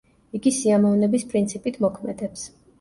იგი სიამოვნების პრინციპით მოქმედებს.